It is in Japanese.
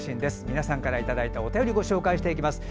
皆さんからいただいたお便りをご紹介していきます。